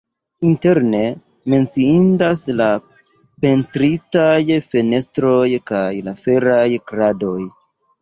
Interne menciindas la pentritaj fenestroj kaj la feraj kradoj.